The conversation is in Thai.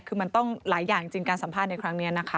คือมันต้องหลายอย่างจริงการสัมภาษณ์ในครั้งนี้นะคะ